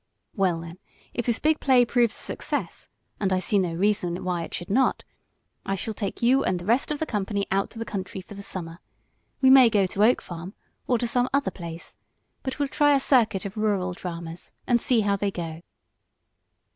"Well, then, if this big play proves a success and I see no reason why it should not I shall take you and the rest of the company out to the country for the summer. We may go to Oak Farm, or to some other place; but we'll try a circuit of rural dramas, and see how they go."